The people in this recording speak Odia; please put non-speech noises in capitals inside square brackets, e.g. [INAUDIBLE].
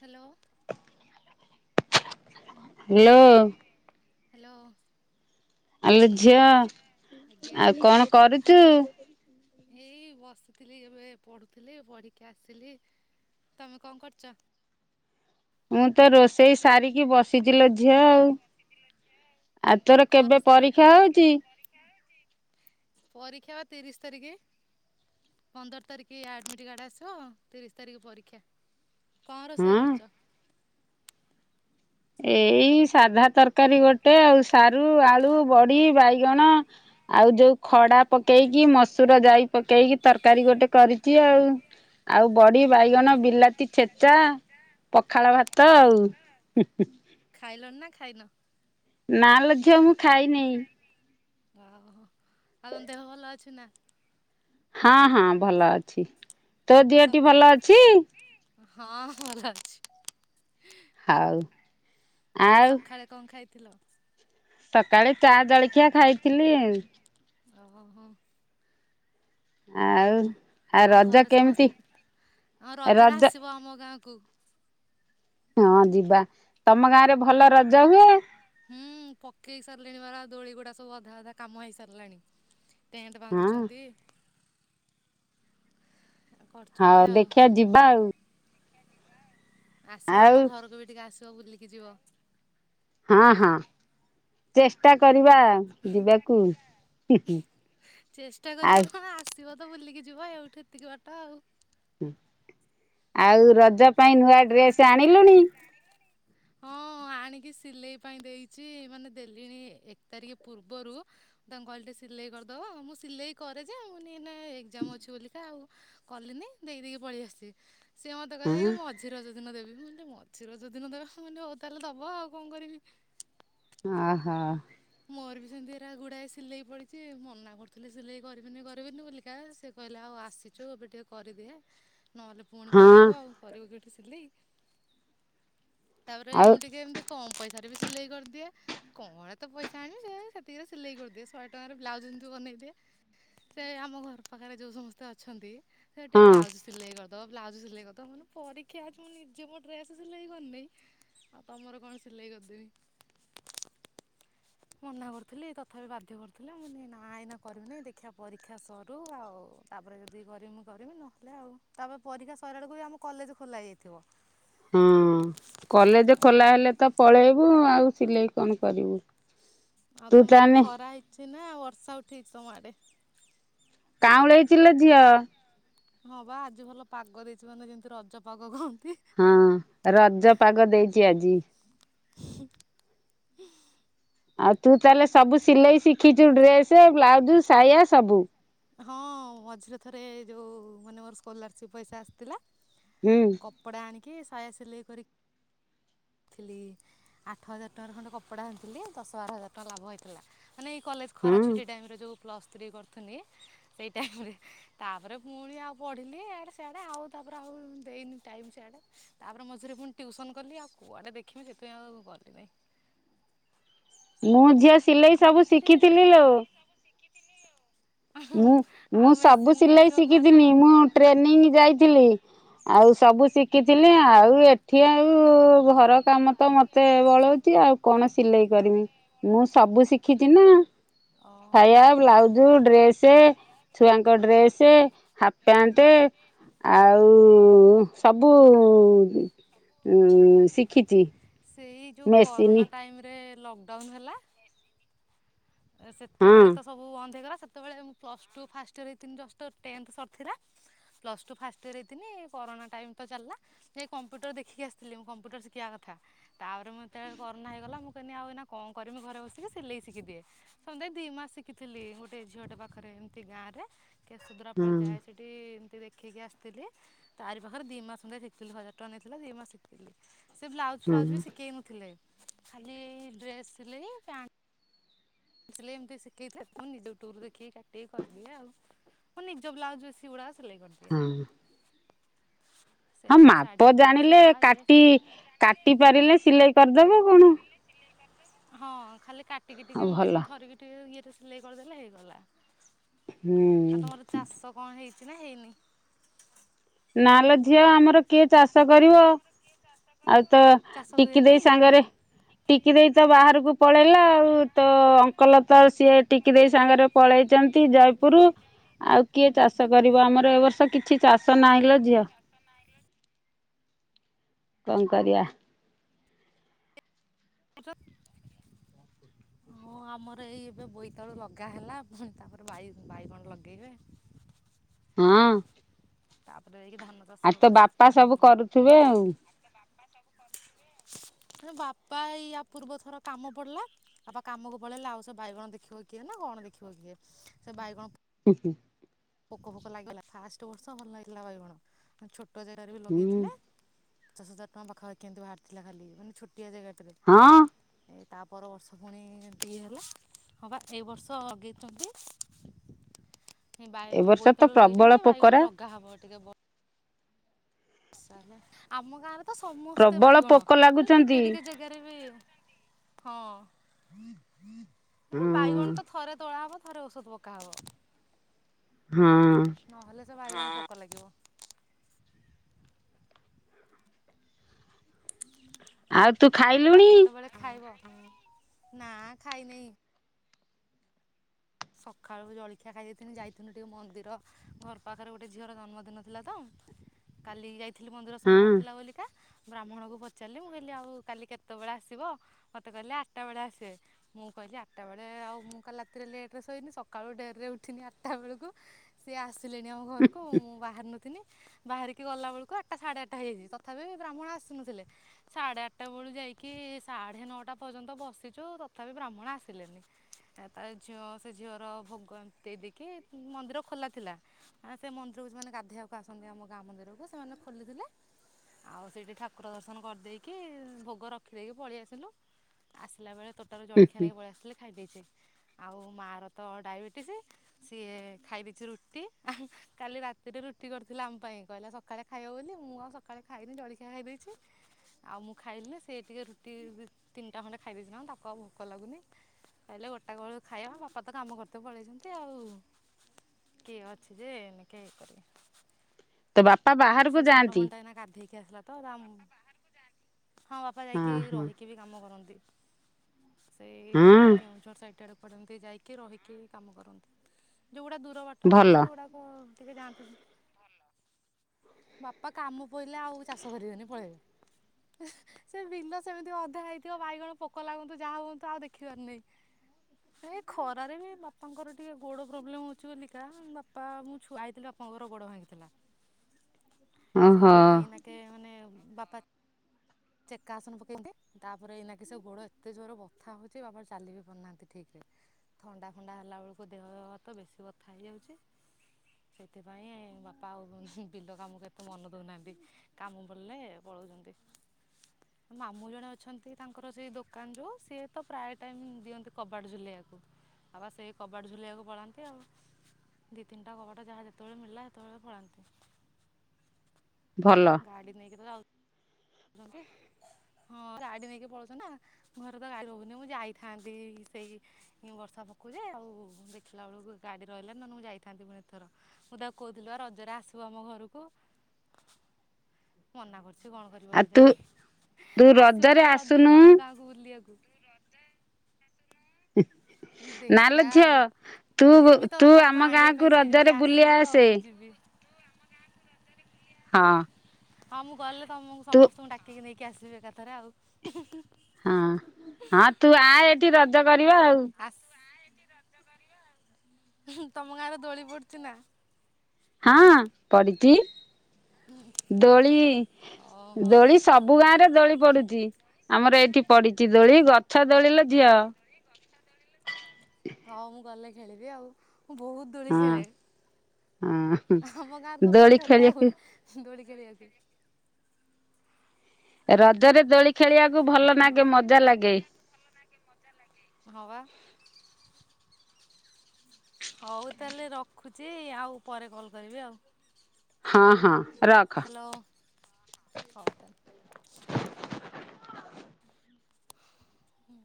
ହ୍ୟାଲୋ। ହ୍ୟାଲୋ ହ୍ୟାଲୋ ଆଲୋ ଝିଅ ଆଜ୍ଞା ଆଉ କଣ କରୁଚୁ? ଏଇ ବସିଥିଲି ଏବେ ପଢୁଥିଲି ପଢିକି ଆସିଲି। ତମେ କଣ କରୁଛ? ମୁଁ ତ ରୋଷେଇ ସାରିକି ବସିଛି ବସିଛି ଝିଅ ଆଉ। ଆଉ ତୋର କଣ କେବେ ରୋଷେଇ କରିଥିଲ? ପରୀକ୍ଷା ହଉଚି? ପରୀକ୍ଷା ବା ତିରିଶ ତାରିଖ ପନ୍ଦର ତାରିଖ ଆଡମିଟ୍ କାର୍ଡ ଆସିବ ତିରିଶ ତାରିଖ ପରୀକ୍ଷା। କଣ ରୋଷେଇ ହଁ କରୁଛ? ଏଇ ସାଧା ତରକାରୀ ଗୋଟେ ଆଉ ସାରୁ, ଆଳୁ, ବଡ଼ି, ବାଇଗଣ ଆଉ ଯୋଉ ଖଡା ପକେଇକି ମସୁର ଜାଇ ପକେଇକି ତରକାରୀ ଗୋଟେ କରିଛି ଆଉ ଆଉ ବଡି, ହଁ ହଁ। ବାଇଗଣ, ବିଲାତି ଛେଚା ପଖାଳ ଭାତ ଆଉ। [INAUDIBLE] ଖାଇଲଣି ନା ଖାଇନ। ନା ଲୋ ଝିଅ ମୁଁ ଖାଇନି। ଓହୋ ଆ ତମ ଦେହ ଭଲ ଅଛି ନା। ହଁ ହଁ ଭଲ ଅଛି। ତୋ ଦିହଟି ଭଲ ଅଛି। ହଁ ଭଲ ଅଛି। ହଉ ଆଉ ସକାଳେ କଣ ଖାଇ ଥିଲ ସକାଳେ ଚା ଜଳଖିଆ ଖାଇଥିଲି। [UNINTELLIGIBLE] ଆଉ କଣ ଖ ଆଉ ଆଉ ରଜ ଘରେ କେମିତି ସମସ୍ତେ ହଁ ରଜରେ ରଜ ଆସିବ ଆମ ଗାଁ କୁ। ହଁ ଯିବା ତମ ଗାଁରେ ଭଲ ରଜ ହୁଏ? ହୁଁ ପକେଇ ସାରିଲିଣି ପରା [UNINTELLIGIBLE] ଦୋଳି ଗୁଡା ସବୁ ଅଧା ଅଧା କାମ ହେଇ ସାରିଲାଣି। ଟେଣ୍ଟ ହଁ ବାନ୍ଧୁଛନ୍ତି। କରୁଛନ୍ତି ହୋଉ ଆଉ। ଦେଖିଆ ଯିବା ଆଉ। ଆସିବ ଆମ ଆଉ ଘରକୁ ବି ଟିକେ ଆସି ଆସ ବୁଲିକି ଯିବ। ହଁ ହଁ ଚେଷ୍ଟା କରି ବା ଯିବାକୁ ହୁଁ ହୁଁ ଆଉ ସିବ ତ ବୁଲିକି ଯିବ ଏଇଠୁ ଏତିକି ବାଟ ଆଉ। ଆଉ ରଜ ପାଇଁ ନୂଆ ଡ୍ରେସ ଆଣିଲୁଣି? ହଁ ଆଣିକି ସିଲେଇ ପାଇଁ ଦେଇଚି ମାନେ ଦେଲିଣି ଏକ ତାରିଖ ପୂର୍ବରୁ ତାଙ୍କୁ କହିଲ ଟିକେ ସିଲେଇ କରିଦବ ମୁଁ ସିଲେଇ କରେ ଯେ ମୁଁ କହିଲି ଏଇନା ଏକ୍ଜାମ ଅଛି ବୋଲିକା ଆଉ କଲିନି ଦେଇ ଦେଇକି ପଳେଇ ଆସିଚି ସେ ସେ କହିଲେ ହଁ ଯାଇକି ମଝି ରଜ ଦିନ ଦେବି ମୁଁ କହିଲି ମୁଁ କହିଲି ମଝି ରଜ ଦିନ ଦବ ମୁଁ କହିଲି ହଉ ତାହେଲେ ଦବ ଆଉ କଣ କରିବି। ଓହୋ। ମୋର ବି ସେମିତି ହେରା ଗୁଡ଼ାଏ ସିଲେଇ ପଡ଼ିଚି ମନା କରୁଥିଲି ସିଲେଇ କରିବିନି କରିବିନି ବୋଲିକା ସେ କହିଲେ ଆଉ ଆସିଚୁ ଏବେ ଟିକେ କରିଦେ। ନହେଲେ ପୁଣି ହଁ ପଳେଇବୁ ଆଉ କରିବୁ କି ସିଲେଇ ତାପରେ ଆଉ ମୁଁ ଟିକେ ଏମିତି କମ୍ ପଇସାରେ ବି ସିଲେଇ କରିଦିଏ କଣ ଏତେ ପଇସା ଆଣିବି ଯେ ସେତିକିରେ ସିଲେଇ କରିଦିଏ ଶହେ ଟଙ୍କାରେ ବ୍ଲାଉଜ ଯେମିତି ବନେଇଦିଏ ସେ ଆମ ଘର ପାଖରେ ଯୋଉ ସମସ୍ତେ ଅଛନ୍ତି ସେ ଟିକେ ହଁ ବ୍ଲାଉଜ ସିଲେଇ କରି ତ ବ୍ଲାଉଜ ସିଲେଇ କରିଦବ ମୁଁ କହିଲି ପରୀକ୍ଷା ଅଛି ମୁଁ ନିଜେ ମୋ ଡ୍ରେସ ସିଲେଇ କରିନେଇ ଆଉ ତମର କଣ ସିଲେଇ କରିଦେବି। ମନା କରୁଥିଲି ତଥାପି ବାଧ୍ୟ କରୁଥିଲା ମୁଁ କହିଲି ନା ଏଇନା କରିବି ନାଇଁ ଦେଖିବା ପରୀକ୍ଷା ସରୁ ଆଉ ତାପରେ ଯଦି କରିବି ମୁଁ କରିବି ନହେଲେ ଆଉ ତାପରେ ପରୀକ୍ଷା ସରିଲା ବେଳକୁ ବି ଆମ କଲେଜ ଖୋଲା ଯାଇଥିବ। ହଁ କଲେଜ ଖୋଲା ହେଲେ ତ ପଳେଇବୁ ଆଉ ସିଲେଇ କଣ କରିବୁ। ଆଉ ତୁ ତମ ତାହେଲେ ଖରା ହେଇଚି ନା ବର୍ଷା ଉଠେଇଚି ତମ ଆଡ଼େ? କାଉଁଳେଇଚି ଲୋ ଝିଅ। ହଁ ପା ଆଜି ଭଲ ପାଗ ଦେଇଚି ମାନେ ଯେମିତି ରଜ ପାଗ କହନ୍ ହଁ ରଜ ପାଗ ଦେଇଚି ଆଜି। [INAUDIBLE] ଆଉ ତୁ ତାହେଲେ ସବୁ ସିଲେଇ ଶିଖିଛୁ ଡ୍ରେସ ବ୍ଲାଉଜ ସାୟା ସବୁ। ହଁ ମଝିରେ ଥରେ ଯୋଉ ମାନେ ମୋର ସ୍କଲାରସିପ ପଇସା ଆସିଥିଲା ହୁଁ କପଡ଼ା ଆଣିକି ସାୟା ସିଲେଇ କରିକି ଆଣିଥିଲି ଆଠ ହଜାର ଟଙ୍କାର ଖଣ୍ଡେ କପଡ଼ା ଆଣିଥିଲି ଦଶ ବାର ହଜାର ଟଙ୍କା ଲାଭ ହେଇଥିଲା। ମାନେ ଏଇ କଲେଜ ହଁ ଖରା ଛୁଟି ଟାଇମରେ ଯୋଉ ପ୍ଲସ୍ ଥ୍ରୀ କରୁଥିଲି ସେଇ ଟାଇମରେ ତାପରେ ପୁଣି ଆଉ ପଢ଼ିଲି ଇଆଡ଼େ ସିଆଡ଼େ ଆଉ ତାପରେ ଆଉ ଦେଇନି ଟାଇମ୍ ସିଆଡ଼େ ତାପରେ ମଝିରେ ପୁଣି ଟ୍ୟୁସନ୍ କଲି ଆଉ କୁଆଡ଼େ ଦେଖିବି ସେଥିପାଇଁ ଆଉ କଲି ନାହିଁ। ମୁଁ ଝିଅ ସିଲେଇ ଆମର ସବୁ ଏଠି ଟିକେ ଯଦି ଶିଖିଥିଲି ଆଉ ମୁଁ ମୁଁ ଆଉ ସବୁ ମେସିନ୍ ନେଇ ସିଲେଇ ଆସିବ ଘରେ ଶିଖିଥିଲି ଆଉ। ମୁଁ ଟ୍ରେନିଂ ଯାଇଥିଲି। ଆଉ ସବୁ ଶିଖିଥିଲି ଆଉ ଏଠି ଆଉ ଘର କାମ ତ ମତେ ବଳଉଛି ଆଉ କଣ ସିଲେଇ କରିମି ମୁଁ ସବୁ ଶିଖିଛି ନା ସାୟା, ଓହୋ ବ୍ଲାଉଜ, ଡ୍ରେସ ଛୁଆଙ୍କ ଡ୍ରେସ, ହାଫ ପ୍ୟାଣ୍ଟ ଆଉ ସବୁ ଶିଖିଛି। ସେଇ ଯେଉଁ ମେସିନ୍ କରୋନା ଟାଇମରେ ଲକଡାଉନ୍ ହେଲା ଏ ହଁ ସେତେବେଳେ ତ ସବୁ ବନ୍ଦ ହେଇଗଲା। ଯେତେବେଳେ ପ୍ଲସ ଟୁ ଫାଷ୍ଟ ଇଅର ହେଇଥିନୀ। ଜଷ୍ଟ ଟେନ୍ଥ ସାରିଥିଲା ପ୍ଲସ ଟୁ ଫାଷ୍ଟ ଇଅର ହେଇଥିନି କରୋନା ଟାଇମ୍ ତ ଚାଲିଲା ଯାଇକି କମ୍ପ୍ୟୁଟର ଦେଖିକି ଆସିଥିଲି ମୁ କମ୍ପ୍ୟୁଟର ଶିଖିବା କଥା। ତାପରେ ମୋତେ କରୋନା ହେଇଗଲା ମୁ କହିନି ଏଇନା କଣ କରିବି ଘରେ ବସିକି ସିଲେଇ ଶିଖିଦିଏ। ସମୁଦାୟ ଦି ମାସ ଶିଖିଥିଲି ଗୋଟେ ଝିଅଟା ପାଖରେ ଏମିତି ଗାଁ ରେ କେ ହଁ ସୁଦ୍ରାପାଳ ଯାଏ ସେଇଠି ଦେଖିକି ଆସିଥିଲି ତାରି ପାଖରେ ଦି ମାସ ଶିଖଥିଲି ହଜାର ଟଙ୍କା ନେଇଥିଲା ଦି ମାସ ଶିଖଥିଲି। ସେ ବ୍ଲାଉଜ୍ ହଁ ଫ୍ଲାଉଜ୍ ବି ଶିଖେଇ ନଥିଲେ। ଖାଲି ଏଇ ଡ୍ରେସ୍ ସିଲେଇ ପ୍ୟାଣ୍ଟ ସିଲେଇ ଏମିତି ଶିଖେଇଥା ନିଜ ଟୁର ଦେଖିକି କାଟିକ କରିଦିଏ ଆଉ ହ ନିଜ ବ୍ଲା ସିଗୁଡା ସିଲେଇ କରିଦିଏ। ହଁ ହଁ ସେଇ ମାପ ଶାଢ଼ୀ ଫଲ୍ସ ଜାଣିଲେ ପକା ଇଏ କାଟି ସିଏ। କାଟି ପାରିଲେ ସିଲେଇ କରିଦବ କଣ। ହଁ ଖାଲି କା ହଁ ଭଲ। ଟିକେ ଇଏ ଟ ସିଲେଇ କରିଦେଲେ ହେଇଗଲା। ହୁଁ ସନା ହେଇନି। ନାଲୋ ଝିଅ ଆମର କିଏ ଚାଷ କରିବ? ଆଉ ତ ଚାଷ ଟିକି ହୁଏନି? ଦେଇ ସାଙ୍ଗରେ ଟିକି ଦେଇ ତ ବାହାରକୁ ପଳେଇ ହେଲା ଆଉ ତ ଅଙ୍କଲ ତ ସିଏ ଟିକି ଦେଇ ସାଙ୍ଗରେ ପଳେଇଛନ୍ତି ଜୟପୁର ଆଉ କିଏ ଚାଷ କରିବ ଆମର ଏ ବର୍ଷ [UNINTELLIGIBLE] ଓହୋ। ନାଇଲୋ ଝିଅ। କଣ କରିବା? [UNINTELLIGIBLE] ହଁ ଆମର ଏଇ ଏବେ ବୋଇତାଳୁ ଲଗା ହେଲା, ପୁଣି ତାପରେ ବାଇ ବାଇଗଣ ଲଗେଇବେ। ହୁଁ ଉଉ ତାପରେ। ଯାଇକି ଧାନ ଚାଷ ଆଉ ହବ। ତୋ ବାପା ସବୁ କରୁଥିବେ ଆଉ ବାପା ଇଆ ପୂର୍ବ ଥର କାମ ପଡିଲା, ବାପା କାମକୁ ପଳେଇଲେ ଆଉ ସେ ବାଇଗଣ ଦେଖିବ କିଏ ନା କଣ ଦେଖିବ କିଏ, ସେ ବାଇଗଣ ହୁଁ। ପୋକଫୋକ ଲାଗିଗଲା ଫାଷ୍ଟ୍ ବର୍ଷ ଭଲ ହେଇଥିଲା ବାଇଗଣ [INAUDIBLE] ଛୋଟ୍ ଟୋ ଜାଗାରେ ବି ହୁଁ ଲଗେଇଥିଲେ। ପଚାଶ ହଜାର ଟଙ୍କା ପାଖାପାଖି କିନ୍ତୁ ବାହାରଥିଲା ଖାଲି ମାନେ ଛୋଟ୍ ଛୋଟିଆ ଜାଗାଟାରେ ହଁ ଏ ତାପର ବର୍ଷ ପୁଣି ଏମିତି ହେଲା ହଁ ପା ଏଇ ବର୍ଷ ଲଗେଇଛନ୍ତି। ବାଇ ଏ ଯୋଉ ବର୍ଷ ତ ବୋଇତାଳୁ ପ୍ରବଳ ଲଗେଇଛନ୍ତି ଯେ ବାଇଗଣ ପୋକରା ଲଗାହବ ଟିକେ ବ ବର୍ଷା ହେଲା ଆମ ଗାଁର [INAUDIBLE] ସମସ୍ତେ ପ୍ରବଳ ବାଇଗଣ, ପୋକ ହେଲେ ଲାଗୁଛନ୍ତି ଟିକେ ଟିକେ ଜାଗାରେ ବି, ହଁ ହୁଁ ବାଇଗଣ ତ ଥରେ ତୋଳା ହବ। ଥରେ ଔଷଧ ପକାହେବ। ହଁଅଅ ତ ବାଇଗଣ ପୋକ ଲାଗିବ। ଆଜ୍ ଆଉ କେତେବେଳେ ଖାଇବ? ନାଆଆ ଖାଇନେଇ। ସକାଳୁ ଜଳଖିଆ ଖାଇଯାଇଥିଲି ଯାଇଥିଲୁ ଟିକେ ମନ୍ଦିର ଘର ପାଖରେ ଗୋଟେ ଝିଅର ଜନ୍ମଦିନ ଥିଲା ତ କାଲି ଯାଇ ଥିଲି ମନ୍ଦିର ସୋମବାର ଥିଲା ହଁ ବୋଲିକା। ବ୍ରାହ୍ମଣକୁ ପଚାରିଲି ମୁଁ କହିଲି ଆଉ କାଲି କେତେବେଳେ ଆସିବ, ମୋତେ କହିଲେ ଆଠଟା ବେଳେ ଆସେ ମୁଁ କହିଲି ଆଠଟା ବେଳେ ଆଉ ମୁଁ କାଲି ରାତିରେ ଲେଟ୍ [INAUDIBLE] ଶୋଇନି ସକାଳୁ ଡେରରେ ଉଠିନି ଆଠଟା ବେଳକୁ ସିଏ ଆସ୍ ଲେଣି ଆମ ଘରକୁ ମୁଁ ବାହାରି ନଥିନି। ବାହାରିକି ଗଲାବେେଳକୁ ଆଠଟା ସାଢ଼େ ଆଠଟା ହେଇଯାଇଛି ତଥାପି ବ୍ରାହ୍ମଣ ଆସିନଥିଲେ, ସାଢ଼େ ଆଠଟା ବେଳୁ ଯାଇକି ସାଢ଼େ ନଅଟା ପର୍ଯ୍ୟନ୍ତ ବସିଛୁ ତଥାପି ବ୍ରାହ୍ମଣ ଆସିଲେନି, ତା ତା ଝିଅ ସେ ଝିଅର ଭୋଗ ଏମିତି ଦେଇ ଦେଇକି ମନ୍ଦିର ଖୋଲା ଥିଲା ମାନେ ସେ ମନ୍ଦିରକୁ ସେମାନେ ଗାଧୋଇବାକୁ ଆସନ୍ତି ଆମ ଗାଁ ମନ୍ଦିରକୁ ସେମାନେ ଖୋଲିଥିଲେ, ଆଉ ସେଇଠି ଠାକୁର ଦର୍ଶନ କରିଦେଇକି ଭୋଗ ରଖିଦେଇକି ପଳେଇ ଆସିଲୁ, ଆସିଲା ବେଳେ ତୋଟାରୁ ଜଳଖଆ ନେଇକି ପଳେଇ ଆସିଲି ଖାଇ ଦେଇଛି। ଆଉ ମାଆ [UNINTELLIGIBLE] ତ ଡାଇବେଟିସ୍ ସିଏ ଖାଇ ଦେଇଛି ରୁଟି ହୁଁ କାଲି ରାତିରେ ରୁଟି କରିଥିଲା ଆମ ପାଇଁ କହିଲା ସକାଳେ ଖାଇବ ବୋଲି ମୁଁ ଆଉ ସକାଳେ ଖାଇନି ଜଳଖିଆ ଖାଇ ଦେଇଛି, ଆଉ ମୁଁ ଖାଇଲିିନି ନା ସିଏ ଟିକେ ରୁଟି ଦି ତିନିଟା ଖଣ୍ଡେ ଖାଇ ଦେଇଛି ନା ତାକୁ ଆଉ ଭୋକ ଲାଗୁନି କହିଲେ ଗୋଟାଏ ବେଳକୁ ଖାଇବା ବାପା [UNINTELLIGIBLE] କାମ କରତେ ପଳେଇଛନ୍ତି ଆଉ, କିଏ ଅଛି ଯେ ଏଇନେକେ‌ ଇଏ କରିବ। ତୋ ବାପ୍ ବାପା ବାହାରକୁ ଯାଆନ୍ତି। କି ଆସିଲା ତ ଆମ୍ ହଁ ବାପା ଯାଇକି ହଁ ହଁ ରହିକି ବି କାମ କରନ୍ତି। ସେଇ ହଁ କେଉଁଝର ସାଇଟ୍। ଟାଡେ ପଡନ୍ତି ଯାଇକି ରହିକି କାମ କରନ୍ତି। ଯୋଉଗୁଡା ଦୂର ବାଟ ଭଲ ସେଗୁଡାକ ଟିକେ ଯାଆନ୍ତିିବୁ ବାପା କାମ ପିଲେ ଆଉ ଚାଷ କରିବେନି ପଳେଇବେ। ସେ ବିିଲ ସେମିତି ଅଧା ହେଇଥିବ ବାଇଗଣ ପୋକ ଲାଗନ୍ତୁ ଯାହା ହୁଅନ୍ତୁ ଆଉ ଦେଖିିବାର ନାହିଁ। ଏ ଖରାରେ ବି ବାପାଙ୍କର ଟିକେ ଗୋଡ ପ୍ରୋବ୍ଲେମ ହୋଉଚି ବୋଲିକା ବାପା ମଁ ଛୁଆ ହେଇଥିଲି ବାପାଙ୍କର ଗୋଡ ଭାଙ୍ଗିଥିଲା। ସେ ଓହୋ ଗୋଡ଼ ଏନାକେ ମାନେ ବାପା ଚେକା ଆସନ ପକେଇନ୍ତି ତାପରେ ଏଇନାକି ସେ ଗୋଡ଼ ଏତେ ଜୋର ବଥା ହୋଉଚି ବାପା ଚାଲି ବି ପାରୁନାହାନ୍ତି ଠିକ ରେ। ଥଣ୍ଡା ଫଣ୍ଡା ହେଲା ବେଳକୁ ଦେହ ହାତ ବେଶୀ ବଥା ହେଇଯାଉଚି ସେଇଥିପାଇଁ ବାପା ଆଉ ହୁଁ। ବିଲ କାମକୁ କେତେ ମନ ଦଉନାହାନ୍ତି। କାମ ବିଲେ ପଳୋଉଚନ୍ତି। ମାମୁଁ ଜଣେ ଅଛନ୍ତି ତାଙ୍କର ସେଇ ଦୋକାନ ଯୋଉ ସିଏ ତ ପ୍ରାୟ ଟାଇମ ଦିଅନ୍ତି କବାଟ ଝୁଲେଇବାକୁ ଆବା ସେଇ କବାଟ ଝୁଲେଇବାକୁ ପଳାନ୍ତି ଆଉ ଦିଇ ତିନିଟା କବାଟ ଯାହା ଯେତେବେଳେ ମିଳିଲା ସେତେବେଳେ ପଳାନ୍ତି। ଭଲ ଗାଡି ନେଇକି ତ ଯାଉ ହଁ ଗାଡି ନେଇକି ପଳଉଚନ୍ତି ନା ଘରେ ତ ଗାଡି ରୋହୁନି। ମୁଁ ଯାଇଥାନ୍ତି ସେଇ ବର୍ଷା ପକୋଉ ଯେ ଆଉ ଦେଖିଲା ବେଳକୁ ଗାଡି ରହିଲା ନହେଲେ ମୁଁ ଯାଇଥାନ୍ତି ପୁଣି ଏଥର ମୁଁ ତାକୁ କହୁଥିଲି ଆ ରଜରେ ଆସିବ ଆମ ଘରକୁ। ମନା କରୁଚି କଣ ଯିବ ଆଉ ତୁ କେଜାଣି ତୁ ଆସିବ ରଜରେ ତମେ ଆସୁନୁ ରଜକୁ ଆମ ଗାଁକୁ ବୁଲିଆକୁ। [UNINTELLIGIBLE] ନା ଲୋ ଝିଅ ତୁ ହଉ ଯିମି ତ ତୁ ତାକୁ ଆମ ଆଣିବା ପାଇଁ ଗାଁକୁ ସିଏ ଯଦି ରଜରେ ବୁଲି ଆସିବ ଆସେ। ମୁଁ ଯିବି ହଁ। ହଁ ମୁଁ ଗଲେ ତମକୁ ତୁ ସମସ୍ତଙ୍କୁ ଡାକିକି ନେଇିକି କିି ଆସିବି ଏକା ଥରେ ଆଉ ଉଁ ହୁଁ ହୁଁ। ହଁ ହଁ ତୁ ଆ ଏଠି ରଜ କରିବା ଆଉ। ଆସ ତମ ଗାଁରେ ଦୋଳି ପଡଚି ନା? ହଁ ପଡିଚି ଦୋଳି ଓହୋ। ଦୋଳି ସବୁ ଗାଁ ରେ ଦୋଳି ପଡୁଚି ଆମର ଏଇଠି ପଡିଚି ଦୋଳି ଗଛ ଦୋଳି ଲୋ ଝିଅ। ହଁ ମୁଁ ଗଲେ ଖେଳିବି ଆଉ। ମୁଁ ବୋହୁତ ଦୋଳି ହଁ ଖେଳେ ହଁ ଆମ ଗାଁରେ ତ ପୁରା ଦୋଳି ଝଗଡ଼ା ଖେଳିବାକୁ ହୁଏ ଦୋଳି ଖେଳିଆକୁ। ରଜରେ ଦୋଳି ଖେଳିବା କୁ ଭଲ ଲାଗେ ମଜା ଲାଗେ। ହଁ ପା। ହୋଉ ତାହେଲେ ରଖୁଚି ଆଉ ପରେ କଲ କରିବି ଆଉ। ହଁ ହଁ। ରଖ। ହ୍ୟାଲୋ। ହୁଁ।